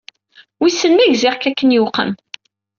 Wissen ma gziɣ-k akken yeqwem.